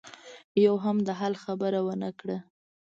يوه هم د حل خبره ونه کړه.